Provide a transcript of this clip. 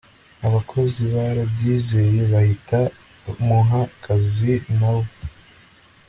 abakozi barabyizeye bahita muha akazi nawe